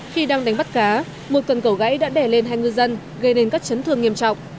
khi đang đánh bắt cá một cần cầu gãy đã đè lên hai ngư dân gây nên các chấn thương nghiêm trọng